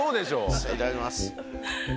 いただきます。